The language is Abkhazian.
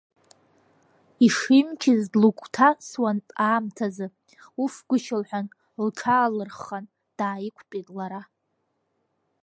Ишимчыз длыгәҭасуан аамҭазы, уф, гәышьа лҳәан, лҽаалырххан дааиқәтәеит лара.